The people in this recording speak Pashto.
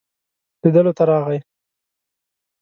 لیدلو ته راغی.